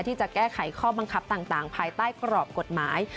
ที่จะแก้ไขข้อบังคับต่างภายใต้กรอบกฎหมาย